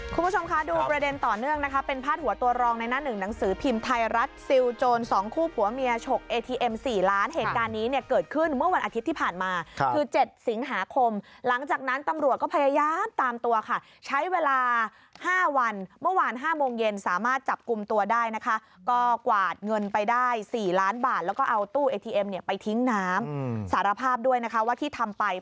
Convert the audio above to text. คุณผู้ชมค่ะดูประเด็นต่อเนื่องนะคะเป็นพาดหัวตัวรองในหน้าหนึ่งหนังสือพิมพ์ไทยรัฐซิลโจรสองคู่ผัวเมียฉกเอทีเอ็มสี่ล้านเหตุการณ์นี้เนี่ยเกิดขึ้นเมื่อวันอาทิตย์ที่ผ่านมาค่ะคือเจ็ดสิงหาคมหลังจากนั้นตำรวจก็พยายามตามตัวค่ะใช้เวลาห้าวันเมื่อวานห้ามงเย็นสามารถจับกุมตัวได